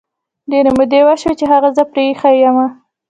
ډیري مودې وشوی چې هغه زه پری ایښي یمه